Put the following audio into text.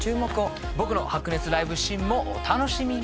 僕の白熱ライブシーンもお楽しみに。